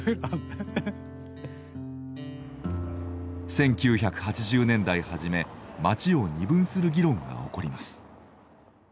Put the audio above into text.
１９８０年代初め街を二分する議論が起こります。